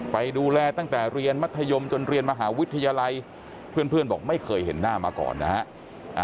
ไปดูแลตั้งแต่เรียนมัธยมจนเรียนมหาวิทยาลัยเพื่อนบอกไม่เคยเห็นหน้ามาก่อนนะฮะ